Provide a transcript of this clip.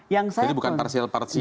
jadi bukan parsial parsial